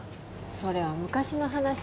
それは昔の話